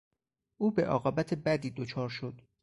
او به عاقبت بدی دچار شد.